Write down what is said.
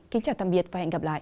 kính chào tạm biệt và hẹn gặp lại